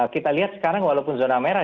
kita lihat sekarang walaupun zona merah